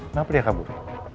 kenapa dia kabur